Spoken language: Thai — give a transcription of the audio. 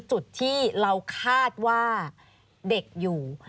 จุดที่เราคาดว่าเด็กอยู่